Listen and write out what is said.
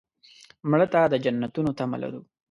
مړه ته د جنتونو تمه لرو